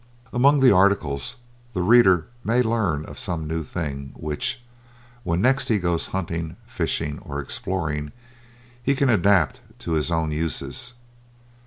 Among the articles, the reader may learn of some new thing which, when next he goes hunting, fishing, or exploring, he can adapt to his own uses.